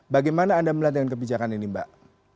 bagaimana anda melihat dengan kebijakan ini mbak